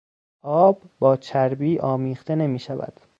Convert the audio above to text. آب با چربی آمیخته نمیشود.